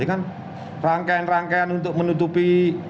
ini kan rangkaian rangkaian untuk menutupi